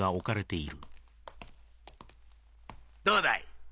どうだい？